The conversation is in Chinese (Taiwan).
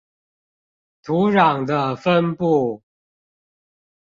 土壤的分布